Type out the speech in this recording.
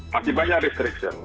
masih banyak restriction